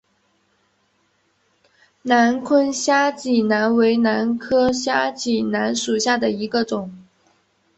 南昆虾脊兰为兰科虾脊兰属下的一个种。